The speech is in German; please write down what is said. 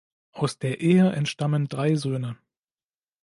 Aus der Ehe entstammen drei Söhne.